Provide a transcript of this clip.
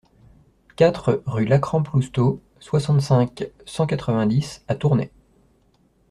quatre rue Lacrampe Loustau, soixante-cinq, cent quatre-vingt-dix à Tournay